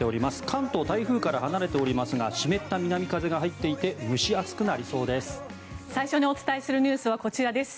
関東、台風から離れておりますが湿った南風が入っていて蒸し暑くなりそうです。